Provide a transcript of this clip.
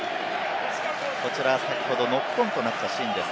こちら先ほどノックオンとなったシーンです。